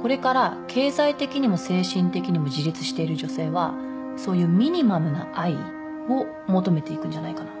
これから経済的にも精神的にも自立している女性はそういうミニマムな愛を求めていくんじゃないかな？